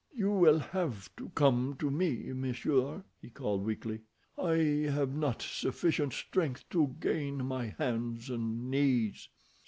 "You will have to come to me, monsieur," he called weakly. "I have not sufficient strength to gain my hands and knees."